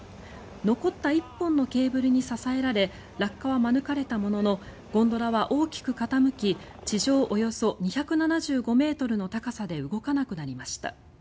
残った１本のケーブルに支えられ落下は免れたもののゴンドラは大きく傾き地上およそ２７５ｍの高さで動かなくなりました。